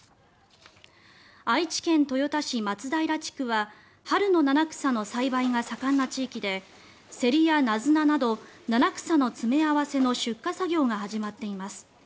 愛知県豊田市松平地区は春の七草の栽培が盛んな地域でセリやナズナなど七草の詰め合わせの出荷作業が始まっています。